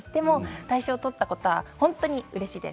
大賞を取ったことは本当にうれしいです。